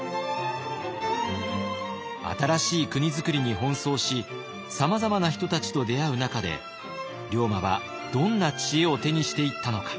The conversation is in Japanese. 新しい国づくりに奔走しさまざまな人たちと出会う中で龍馬はどんな知恵を手にしていったのか。